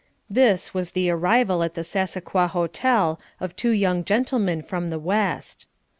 This was the arrival at the Sassacua Hotel of two young gentlemen from the west.